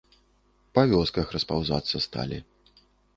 Па вёсках распаўзацца сталі.